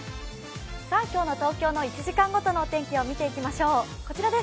今日の東京の１時間ごとのお天気を見ていきましょう。